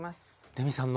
レミさんの？